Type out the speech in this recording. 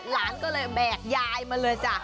หลานก็เลยแบกยายมาเลยจ้ะ